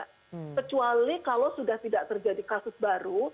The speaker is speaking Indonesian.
kecuali kalau sudah tidak terjadi kasus baru